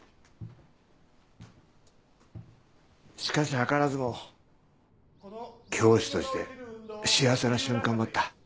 しかし図らずも教師として幸せな瞬間もあった。